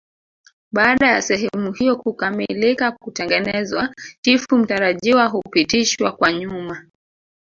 Baada ya sehemu hiyo kukamilika kutengenezwa chifu mtarajiwa hupitishwa kwa nyuma